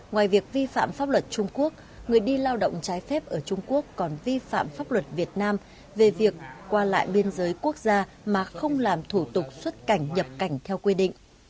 ngoài việc vi phạm pháp luật trung quốc người đi lao động trái phép ở trung quốc còn vi phạm pháp luật việt nam về việc qua lại biên giới quốc gia mà không làm thủ tục xuất cảnh nhập cảnh theo quy định